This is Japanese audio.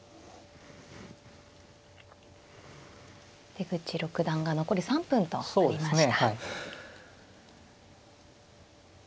出口六段が残り３分となりました。